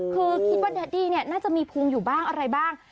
คือคิดว่าเดดี้เนี่ยน่าจะมีภูมิอยู่บ้างอะไรบ้าง